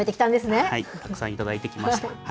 たくさん頂いてきました。